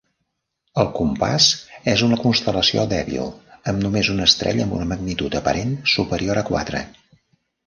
El Compàs és una constel·lació dèbil, amb només una estrella amb una magnitud aparent superior a quatre.